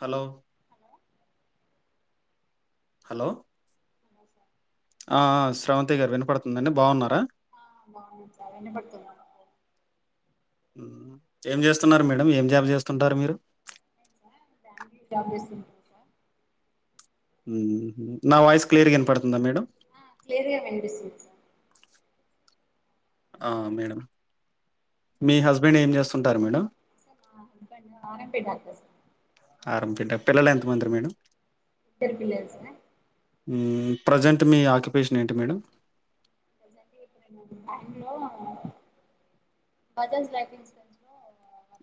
Hello hello అనా sir ఆ ఆ స్రవంతి గారు వినపడుతుందండి బాగున్నారా [inaudible] ఏం చేస్తున్నారు మేడం ఏం జాబ్ చేస్తుంటారు మీరు జాబ్ చేస్తున్న నా వాయిస్ క్లియర్ గా వినపడుతుందా మేడం ఆ క్లియర్ గా వినిపిస్తుంది ఆ మేడం మీ హస్బెండ్ ఏం చేస్తుంటారు madam R M P doctor sir R M P doctor పిల్లలు ఎంతమంది మేడం ఇద్దరు పిల్లలు సార్ మ్ ప్రజెంట్ మీ ఆక్యుపేషన్ ఏంటి మేడం బజాజ్ లైఫ్ ఇన్సూరెన్స్ లో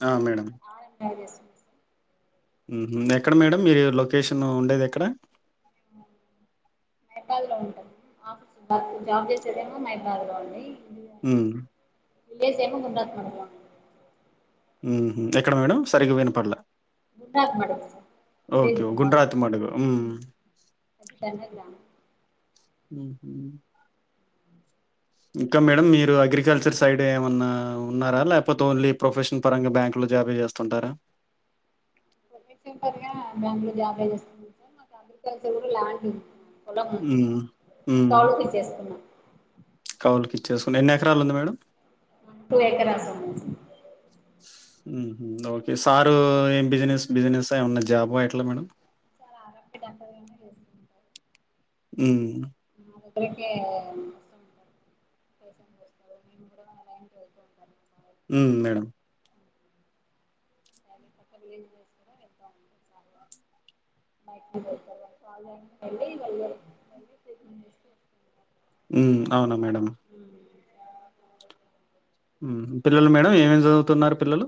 ఆ మేడం [inaudible] ఉ ఎక్కడ మేడం మీరు లొకేషన్ నువ్వు ఉండేది ఎక్కడ నేపాల్ లో ఉంటాము ఆఫీస్ బ జాబ్ చేసేదేమో మైపాదడ్ లో ఉండి ఉ విలేజ్ ఏమో గుండరాత్ మడుగు ఉ ఉ ఎక్కడ మేడం సరిగా వినపడలే గుండ్రాతి మడుగు మ్మ్. [unintelligible] మ్ ఇంకా మేడం మీరు అగ్రికల్చర్ సైడ్ ఏమన్నా ఉన్నారా లేకపోతే ఓన్లీ ప్రొఫెషనల్ పరంగా బ్యాంకులో జాబె చేస్తుంటారా ఒకే పరిగా బ్యాంకు లో జాబ్ చేస్తుంది సార్ మాకు అగ్రికల్చర్ కూడా ల్యాండ్ ఉంది. పొలం ఉంది హ్మ్. హ్మ్. కౌలు కి ఇచ్చేస్తున్నాం కౌలుకి ఇచ్చేసు ఎన్ని ఎకరాలు ఉంది మేడం టూ ఎకర్స్ ఉన్నాయి సార్ ఉ ఉహు ఓకే సారు ఏం బిజినెస్ బిజినెస్ ఆ ఏమన్న జాబ్ హ ఎట్లా మేడం చాలా ఆరోగ్యదాకగానే చేస్తుంటారు ఉ మా దగ్గరకే వస్తూ ఉంటారు మేము కూడా వెలుతు ఉంటాం ఉ మేడం వాళ్ళు కాల్ చేయంగానే వెళ్తాము ఉ అవునా మేడంమ్ ఉ ఉ పిల్లలు మేడం ఏమేమి చదువుతున్నారు పిల్లలు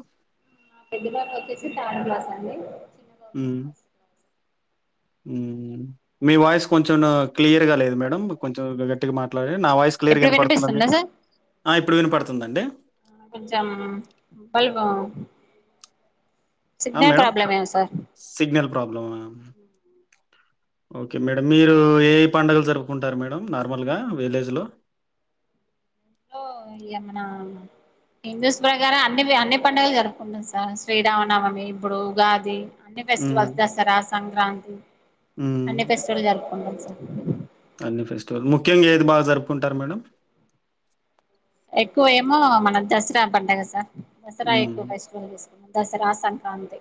పెద్దవాళ్ళు వచ్చిసి థర్డ్ క్లాస్ అండి చిన్న బాబు ఏమో హ్మ్. ఫస్ట్ క్లాస్ సార్ మీ వాయిస్ కొంచెం క్లియర్ గా లేదు మేడం కొంచెం గట్టిగా మ నా వాయిస్ క్లియర్గా వినపడుతుంద మీక్ ఇప్పుడు వినపడుతుందిండి ఆ కొంచం పుల్వం ఆ madam sir signal problem okay madam మీరు ఏ పండుగలు జరుపుకుంటారు. మేడం నార్మల్గా విలేజ్లో ఎమన హిందూస్ ప్రకారం అన్ని అన్ని పండుగలు జరుపుకుంటం. సార్ శ్రీరామనమమి ఇప్పుడు ఉగాది. అంటే హ్మ్. ఫెస్టివల్స్ ద రాస్ సంక్రాంతి హ్మ్. అన్ని ఫెస్టివల్ ఉంటయ్ సార్ అన్ని ఫెస్టివల్ ముఖ్యంగా ఏది బాగా జరుపుకుంటారు మేడం. ఎక్కువ ఏమో మన దసరా అ పండ్ కద సార్ దసరా హ్మ్. ఎక్కువ ఫెస్టివల్ చేసుకుంటం. దసరా సంక్రాంతి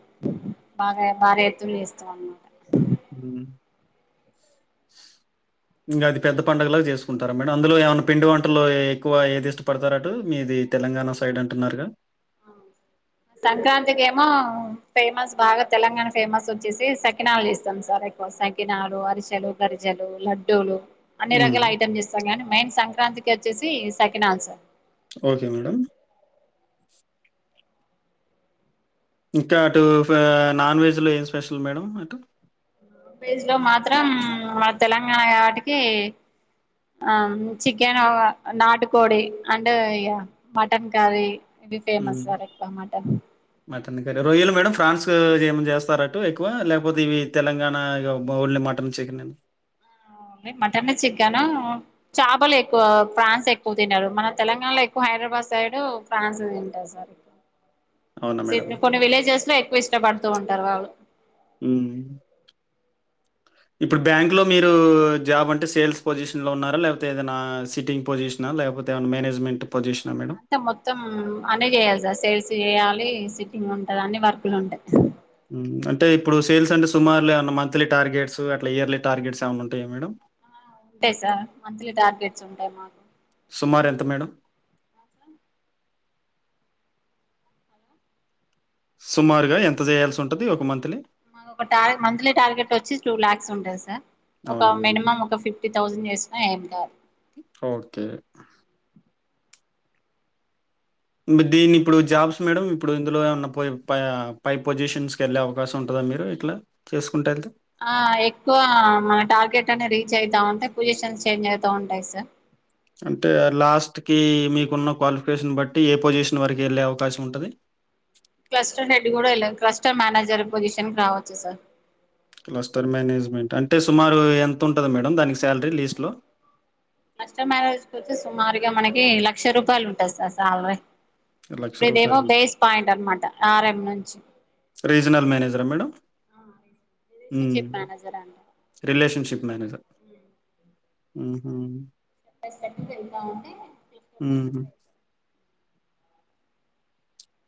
బాగా భారి ఎత్తున చేస్తం అన్నమాట ఉ ఇంకా అది పెద్ద పండుగలాగా చేసుకుంటారా మేడం. అందులో ఏమైనా పిండి వంటల్లో ఎక్కువ ఏది ఇష్టపడతార అటు మీది తెలంగాణ సైడ్ అంటున్నారుగా? సంక్రాంతికి ఏమో ఫేమస్ బాగా తెలంగాణ ఫేమస్ వచ్చేసి సకినాలు చేస్తాం. సార్ ఎక్కువ సకినాలు, అరిసెలు, గరిజెలు లడ్డూలు. అన్ని హ్మ్. రకాల ఐటమ్స్ ఇస్తాం కానీ మెయిన్ సంక్రాంతికి వచ్చేసి సెకినాలు సర్ ఓకే మేడం ఇంకా అటు నాన్ వెజ్లో ఏం స్పెషల్ మేడం అటు జ్ లో మాత్రం తెలంగాణ కాటికి ఆ చికెన్ నాటుకోడి అంటే ఇ మటన్ కర్రీ ఇది ఫేమస్ సర ఎక్వ మటన్ అే రొయ్యల్ మేడం ఫ్రాన్స్ ఏమ చేస్తారట్టు ఎక్కువ లేకపోతే ఇవి Telangana only mutton chicken mutton chicken చాపలు ఎక్కువ ఫ్రాన్స్ ఎక్కువ తినారు మన తెలంగాణలో ఎక్కువ హైదరాబాద్ సైడ్ ఫ్రాన్స్ తింటారు సార్ అవునా మేడం? కొ కొన్ని విలేజెస్ లో ఎక్కువ ఇష్టపడ ఉంటారు వాళ్ళు అ ఇప్పుడు బ్యాంక్ లో మీరు జాబ్ అంటే సేల్స్ పొజిషన్ లో ఉన్నారా లేకపోతే ఏదైనా సిటింగ్ పొజిషన్ లేకపోతే ఏనా మేనేజ్మెంట్ పొజిషన్ అంతే మొత్తం అన్న చేయాలి సా సేల్స్ చేయాలి సిట్టింగ్ ఉంటంది అన్ని వర్క్లు ఉంటాయి అంటే ఇప్పుడు సేల్స్ అంటే సుమారులు ఏమన్నా మంత్లీ టార్గెట్స్ అట్లా ఇయర్లీ టార్గెట్స్ ఏమైన్నా ఉంటాయా మేడంమ్ ఉంటాయి సార్ మంత్లీ టార్గెట్స్ ఉంటాయి మాకు సుమారు ఎంత మేడం సుమారుగా ఎంత చేయాల్సి ఉంటుది ఒక మంత్ ని మాకు ఒక ట మంత్లీ టార్గెట్ వచ్చి టూ ల్యాక్స్ ఉంటుంది సార్ ఒక అవునా మేడం? మినిమం ఒక ఫిఫ్టీ థౌజండ్ చేసినా ఏం కాదు ఓకే. దీన్ని ఇప్పుడు జాబ్స్ మేడం ఇప్పుడు ఇందులో ఉన్న పో పై పై పొజిషన్స్కి వెళ్ళే అవకాశం ఉంటుందా మీరు ఇట్లా చేసుకుంటూ వెళ్తే ఆ ఎక్కువ మన టార్గెట్ అని రీచ్ అవుతా ఉంటాయి పొజిషన్స్ చేంజ్ అవుతా ఉంటాయి సార్ అంటే లాస్ట్ క మీకున్న క్వాలిఫికేషన్ బట్టి ఏ పొజిషన్ వరకు వెళ్ళే అవకాశం ఉంటుంది క్లస్టర్ హెడ్ కూడా క్లస్టర్ మేనేజర్ పొజిషన్ రావచ్చు సార్ క్లస్టర్ మేనేజ్మెంట్ అంటే సుమారు ఎంత ఉంటుంది మేడం దానికి శాలరీ లీస్ట్లో కష్ట మ్యారేజ్కి వచ్చి సుమారుగా మనకి లక్ష రూపాయలు ఉంటాందిార్ సాలే లక్ష రూపాయలు ఆర్ఎం నుంచి రీజనల్ మేనేజరా మేడం రిలేషన్షిప్ మేనేజర్ అంట రిలేషన్షిప్ మేనేజర్ హ చెప్ప పెట్కి వెళ్తా ఉంటే వెతారు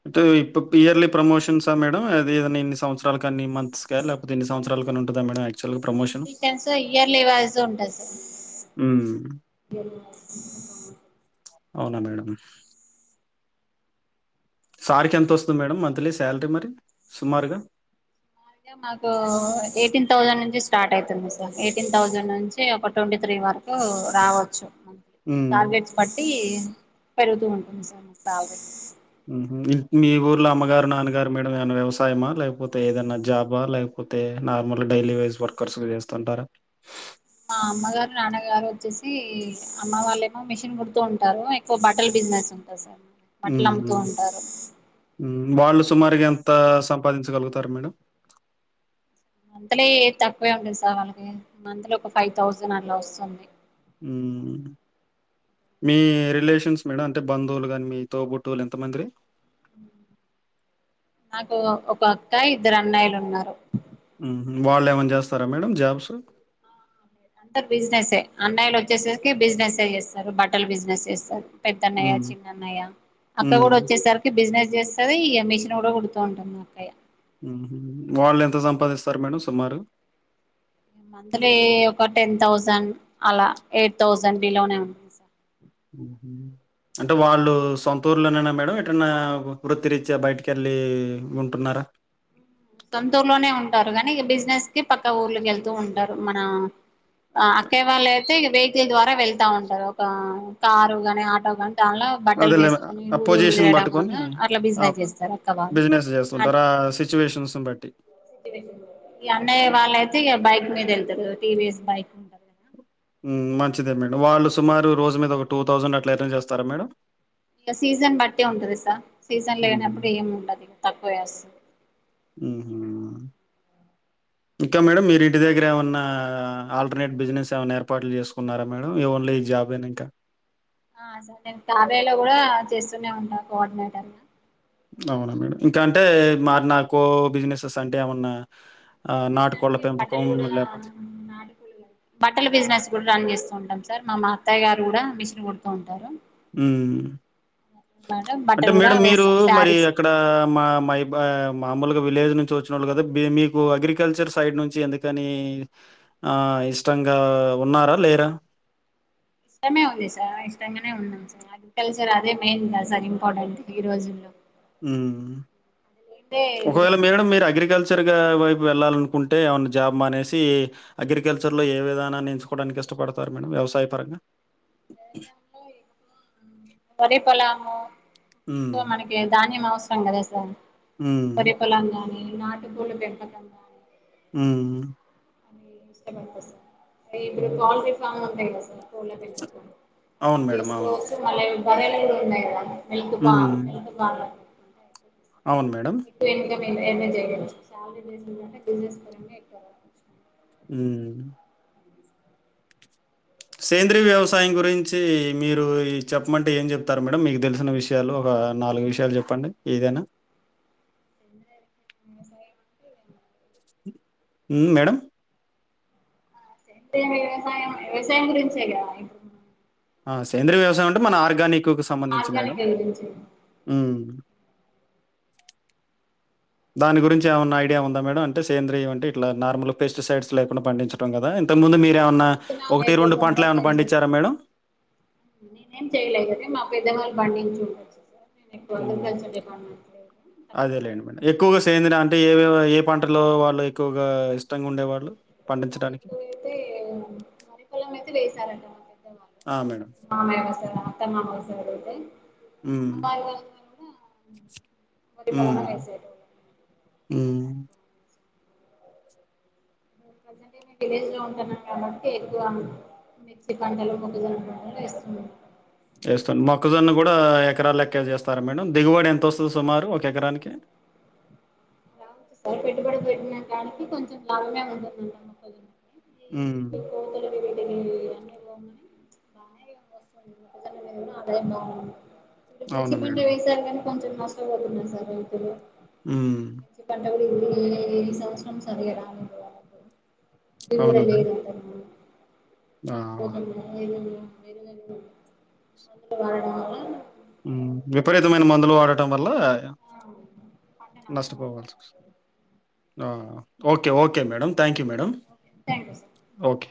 అంటే ఇప్పుడు ఇయర్లీ ప్రమోషన్సా మేడం అది ఏదన్నా ఇన్ని సంవత్సరాల కన్ని మంత్స్ కా లేకపోతే ఎన్ని సంవత్సరాల కనీ ఉంటందా మేడం యాక్చువల్ గా ప్రమోషన్ టైమ్స్ ఇ్యర్లువాల్స ఉంటంది సార్ అవునా మేడం సార్కి ఎంత వస్తుంది మేడం మంత్లీ శాలరీ మరి సుమారుగా అయిే మాకు ఎయిటీన్ థౌజండ్ నుంచి స్టార్ట్ అవుతుంది సార్ ఎయిటీన్ థౌజండ్ నుంచి ఒక ట్వంటీ త్రీ వరకు రావచ్చు త ఉమ్, టార్గెట్స్ పట్టి ప తస్త మీ ఊర్లో అమ్మగారు నాన్నగారు మేడం ఏమనా వ్యవసాయమా లేకపోతే ఏదైనా జాబా లేకపోతే నార్మల్గా డైలీ వైజ్ వర్కర్స్ చేస్తుంటారా మా అమ్మగారు నాన్నగారు వచ్చేసి అమ్మ వాళ్ళేమో మిషన్ కుడుతూ ఉంటారు ఎక్కువ బట్టలు బిజినెస్ ఉంటారు సార్ బట్టలు అమ్ముతూ ఉంటారు వాళ సుమారుగా ఎంత సంపాదించగలుగుతారు మేడం మంత్లీ తక్కువే ఉండది సార్ వాళ్ళకి మంత్లీ ఒక ఫైవ్ థౌజండ్ అలా వస్తుంది మీ రిలేషన్స్ మేడం అంటే బంధువులు కానీ మీ తోబుట్టులు ఎంతమంది ర నాకు ఒక అక్క ఇద్దరు అన్నయిలు ఉన్నారు హు వాళ్ళు ఏమన్న చేస్తారా మేడం జాబ్స్ అందరు బిజినెస్ే అన్నయిలు వచ్చేసరికి బిజినెసే చేస్తారు బట్టల బిజినెస్ చేస్తారు పెద్దన్నయ హ్మ్. చిన్నన్నయ అక్క కూడా హ్మ్. వచ్చేసరికి బిజినెస్ చేస్తాసి ఇగ మేషన్ కూడా కుడుతూ ఉంటాది మా అక్కయ్య హు వాళ్ళు ఎంత సంపాదిస్తారు మేడం సుమారు మంత్లీ ఒక టెన్ థౌసండ్ అలా ఎయిట్ థౌసండ్ బిలోనే ఉంటుంది సార్ అంటే వాళ్ళు సొంతూరులోనేనా మేడం ఎటన్నా వృత్తిరీత్యా బయటికేళ్ళి ఉంటున్నారా సొంతూరు లోనే ఉంటారు కానీ ఇగ బిజినెస్ కి పక్క ఊర్లకి వెళ్తూ ఉంటారు మన అక్కయ్య వాళ్ళు అయితే వెజె ద్వారా వెళ్తా ఉంటారు ఒక కారు గాని ఆటో గాని దాలా బట్టలు అదేలే వేసుకొని ఆ ఊరు ఊరు పొజిషన్ తరడం వల్ల బట్టుకొని అట్లా ఆ బిజినెస్ చేస్తారు అక్క వాళ్ళు బిజినెస్ అ జేస్తుంటారు. ఆ సిట్యుయేషన్స్‌ని బట్టి. ఈ అన్నయ్య వాళ్ళయితే ఇగ బైక్ మీద వెళ్తారు టీవీఎస్ బైక్ ఉంటది హు మంచిదే మేడం వాళ్ళు సుమారు రోజు మీద ఒక టూ థౌజండ్ అట్లా ఎర్న్ చేస్తారా మేడం ఇగ సీజన్ బట్టే ఉంటది సార్ సీజన్ హ్మ్. లేనప్పుడు ఏమి ఉండదు తక్కువే వస్త మ్ హు ఇంకా మేడం మీరు ఇంటి దగ్గర ఏమన్నా ఆల్టర్నేట్ బిజినెస్ ఏమన్న ఏర్పాట్లు చేసుకున్నారా మేడం ఓన్లీ ఈ జాబెనా ఇంకా ఆ సార్ నేను తావేల కూడా చేస్తూనే ఉంన్నా కోఆర్డినేటర్గా అవునా మేడం ఇంకా అంటే మా నాకు బిజినెసెస్ అంటే ఏమన్నా ఆహ్, బిజినెస్ అంటే నాటుకోళ్ల పెంపకం బట్టలు కూడా లేకపోతే నా బట్టల బిజినెస్ కూడా రన్ చేస్తూ ఉంటాం సార్ మా మ అత్తయ్య గారు కూడా మిషన్ కుడుతూ ఉంటారు ఊ మేడం అంటే బట్టలు కూడా మేడం మీరు వేస్తాం మరి శారీస్ కూడా అక్కడ మ మైబ్ బ మా ములుగా విలేజ్ నుంచి వచ్చినోళ్ళు కదా మీకు అగ్రికల్చర్ సైడ్ నుంచి ఎందుకని ఆ ఇష్టంగా ఉన్నారా లేరా ఇష్టమే ఉంది సార్ ఇష్టంగానే ఉన్నాం సార్ అగ్రికల్చర్ అదే మెయిన్ కాదా సార్ ఇంపార్టెంట్ ఈ రోజుల్లో హు అదే ఒకవేళ మేడం మీరు అగ్రికల్చ ల్చర్ గా వైపు వెళ్ళాలనుకుంటేఏమన్న జాబ్ మానేసి అగ్రికల్చర్లో ఏ విధానాన్ని ఎంచుకోవడానికి ఇష్టపడతారు మేడం వ్యవసాయపరంగా వరి పొలాము హ్మ్. ఎక్కువ మనకి ధాన్యం అవస రం కదా సార్ వరి హ్మ్. పొలాంగానీ నాటు కోళ్లు పెంపకం కానీ హు మ్ ని ఎంస్టాగ్రామ్ అవసరమా [inaudible] ఇప్పుడు హ్మ్. ప్లాస్టిక్ సామాన్ [inaudible] పెట్టుకో ఎం అవును మేడం. అవును. తిసుకోవచ్చు మళ బర్రెలు ఎన్ని ఉన్నాయి అవ్వ మిల్క్ బ హ్మ్. మిల్క్ బాగా అవును మేడం ఎక్కువ ఎంజాయ్ చేయలేమ్ సాలరీ బేస్ మీద బిజినెస్ పరంగా ఎక్కువుగా హ్మ్మ్ సేంద్రీయ వ్యవసాయం గురించి మీరు చెప్పమంటే ఏం చెప్తారు మేడంమ్ మీకు తెలిసిన విషయాలు ఒక నాలుగు విషయాలు చెప్పండి ఏదైనా ఎమ్ లెద్ వ్యవసాయం అంటే హ్మ్మ్ మేడం సేంద్రియ వ్యవసాయం వ్యవసాయం గురించే గా ఆ సేంద్రియ వ్యవసయం అంటే మన ఆర్గానిక్ కు సంబంధించి మేడం ఊ దాని గురించి ఏమైన్నా ఐడియా ఉందా మేడం అంటే సేంద్రియం అంటే ఇట్ల నార్మల్ పెస్టిసైడ్స్ లేకుండా పండించడం కదా ఇంతకు ముందు మీర్ [inaudible] మేడం? నేనేం చేయలే గని మా పెద్దవాళ్లు పండించి ఉండచ్చు సార్ హ్మ్మ్ అదే లేండి మేడం ఎక్కువగా సేంద్రియం అంటే ఏ ఏ పంటలో వాళ్ళు ఎక్కువగా ఇష్టంగా ఉండేవాళ్ళు పండించడానికి? ఎక్కువయితే వరి పొలం అయితే వేసి చాల ఆ! మేడం. మామయ్య హ్మ్. [unintelligible] హ్మ్మ్ ప్రెసెంట్ మేం విలేజ్ లో ఉంటున్నాం కాబట్టి ఎక్కువ మిర్చి పంటలు మొక్కజొన్న పంటలు వేస్తున్నాము చేస్తోనా మొక్కజొన్న కూడా ఎకరలు లెక్కే చేస్ స్తారా మేడం దిగుబడి ఎంత వస్తుంది సుమారు ఒక ఎకరానికి అలా సార్ పెట్టుబడి పెట్టిన దానికి కొంచెం లాభమే ఉంటుందంట మొక్కజొన్న హ్మ్మ్ అ పో అద [unintelligible] ఇప్పుడు మిర్చి అవునా పంట మేడం? వైసా గా కొంచెం నష్టపోతున్నాయి సార్ రైతులు హ్మ్. మిర్చి పంటలు ఎం సంవత్సరం సార్ ఇది అవునా రూరల్ మేడం? ఏరియా ఆ! తనేపోదల్ వె [unintelligible] రు అందుడంాల [unintelligible] హ్మ్మ్ నీకోలేతుమే మందులు వాడటం వల్ల పంట నాశనం నష్టపోవలసి అయిపోతుంది వాస్ okay okay madam thank you madam thank you sir okay